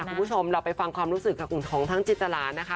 คุณผู้ชมเราไปฟังความรู้สึกค่ะกลุ่มของทั้งจิตรานะคะ